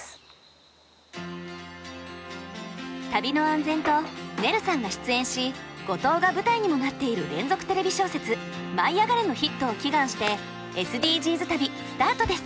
旅の安全とねるさんが出演し五島が舞台にもなっている連続テレビ小説「舞いあがれ！」のヒットを祈願してＳＤＧｓ旅スタートです。